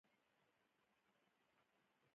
ایا ستاسو ګروي به پوره نه وي؟